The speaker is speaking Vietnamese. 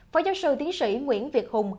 phó giáo sư tiến sĩ nguyễn việt hùng